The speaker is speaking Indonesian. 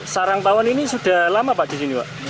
sarang tawon ini sudah lama pak di sini pak